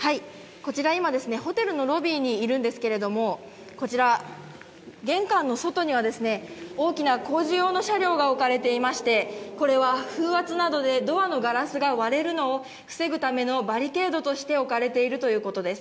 こちら今ですね、ホテルのロビーにいるんですけれども、こちら、玄関の外には大きな工事用の車両が置かれていまして、これは風圧などでドアのガラスが割れるのを防ぐためのバリケードとして置かれているということです。